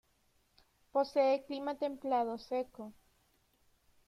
Posee clima templado seco.